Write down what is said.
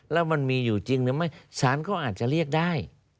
แล้วมันมีอยู่จริงสานก็อาจจะเรียกได้